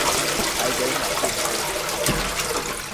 台北鳥店街